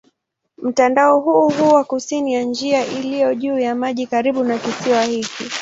Mtandao huu huwa kusini ya njia iliyo juu ya maji karibu na kisiwa hiki.